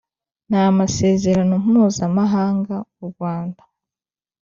n amasezerano mpuzamahanga u Rwanda